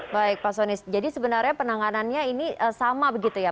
baik pak sonis jadi sebenarnya penanganannya ini sama begitu ya